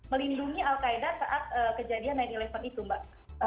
melindungi al qaeda saat kejadian sembilan itu mbak